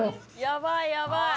「やばいやばい。